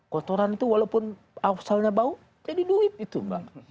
kotoran itu walaupun asalnya bau jadi duit itu mbak